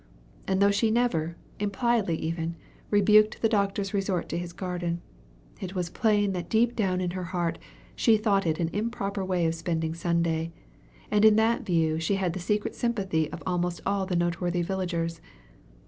And though she never, impliedly even, rebuked the doctor's resort to his garden, it was plain that deep down in her heart she thought it an improper way of spending Sunday; and in that view she had the secret sympathy of almost all the noteworthy villagers.